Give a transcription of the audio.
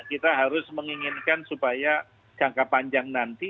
kita harus menginginkan supaya jangka panjang nanti